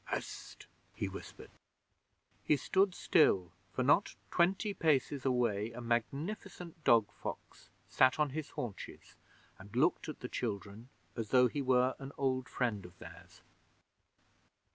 'Hst!' he whispered. He stood still, for not twenty paces away a magnificent dog fox sat on his haunches and looked at the children as though he were an old friend of theirs.